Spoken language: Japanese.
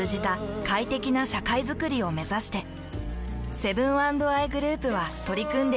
セブン＆アイグループは取り組んでいます。